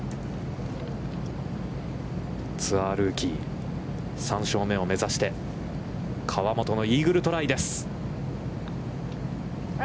ツアールーキー、３勝目を目指して河本のイーグルトライです。